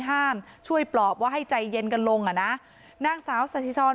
ช่วยปลอบว่าให้ใจเย็นกันลงอ่ะนะนางสาวสถิชร